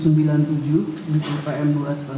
untuk pm dua lima